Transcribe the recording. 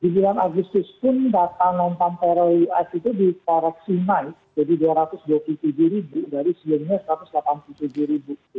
di sembilan agustus pun data non pamperal us itu diparoksimal jadi dua ratus dua puluh tujuh ribu dari siangnya satu ratus delapan puluh tujuh ribu gitu